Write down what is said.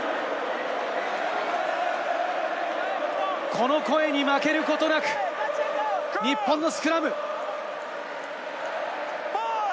この声に負けることなく、日本のスクラム。